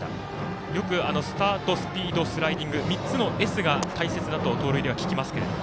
よくスタート、スピードスライディング３つの「Ｓ」が大切だと盗塁では聞きますけれども。